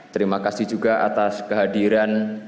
terima kasih juga atas kehadiran